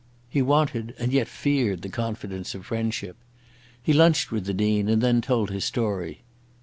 He wanted and yet feared the confidence of friendship. He lunched with the Dean, and then told his story.